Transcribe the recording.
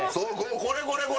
これこれこれ。